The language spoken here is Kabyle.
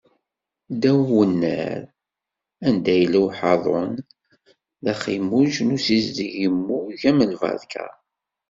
Ddaw n unnar, anda yella uḥaḍun, d axmuj n usizdeg immug am lberka.